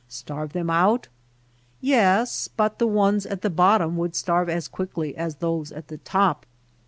Starve them out ? Yes ; but the ones at the bottom would starve as quickly as those at the top.